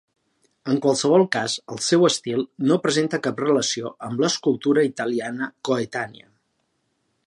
En qualsevol cas, el seu estil no presenta cap relació amb l'escultura italiana coetània.